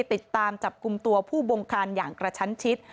ติดตามจับกลุ่มตัวผู้บงคารอย่างกระชั้นชิด